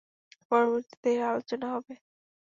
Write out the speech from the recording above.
পরবর্তীতে এর আলোচনা হবে।